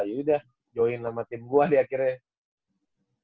yaudah join sama tim gue deh akhirnya